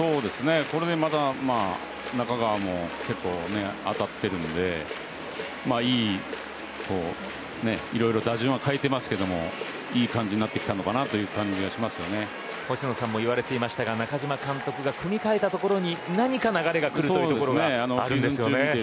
これで、また中川も結構、当たっているのでいろいろ打順は変えてますけどもいい感じになってきたのかな星野さんも言われていましたが中嶋監督が組み替えたところに何か流れがくるところがあるんですよね。